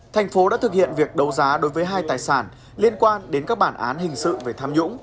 thành phố đã thực hiện việc đấu giá đối với hai tài sản liên quan đến các bản án hình sự về tham nhũng